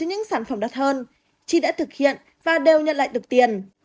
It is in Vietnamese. những sản phẩm đắt hơn chi đã thực hiện và đều nhận lại được tiền